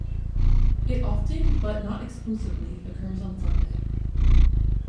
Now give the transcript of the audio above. It often but not exclusively occurs on Sunday.